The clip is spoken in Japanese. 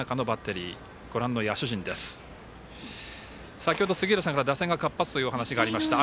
先ほど杉浦さんからも打線が活発というお話がありましたが。